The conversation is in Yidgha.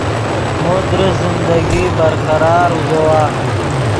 مو درست زندگی برقرار اوزوّا